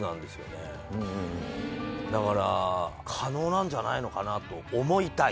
だから可能なんじゃないのかなと思いたい。